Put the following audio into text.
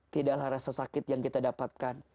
tidaklah rasa sakit yang kita dapatkan